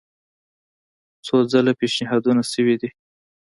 څو ځله پېشنهادونه شوي دي.